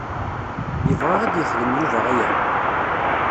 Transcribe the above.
Yebɣa ad yexdem Yuba aya?